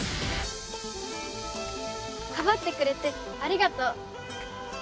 かばってくれてありがとう。